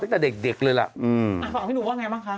ค้าฝามพี่หนูว่าอย่างไรบ้างคะ